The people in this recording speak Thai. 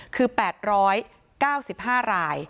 คือ๘๙๕ราย